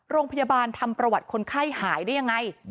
โรงพยาบาลทำประวัติคนไข้หายได้ยังไง